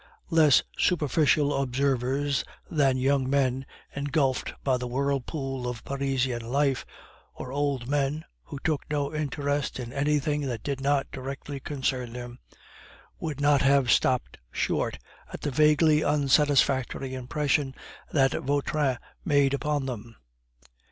Less superficial observers than young men engulfed by the whirlpool of Parisian life, or old men, who took no interest in anything that did not directly concern them, would not have stopped short at the vaguely unsatisfactory impression that Vautrin made upon them.